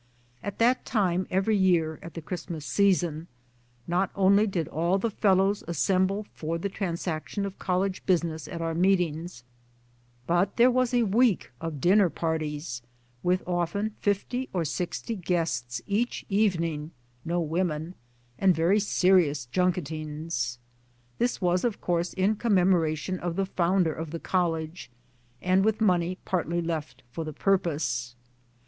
At that time, every year at the Christmas season, not only did all the Fellows assemble for the trans action of College business at our meetings, but there was a week of dinner parties, with often fifty or sixty guests each evening (no women) and very serious junketings ! This was, of course, in Commemoration of the Founder of the College^ and with money partly left for the purpose.